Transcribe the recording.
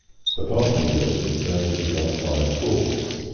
Apartment buildings average about five floors.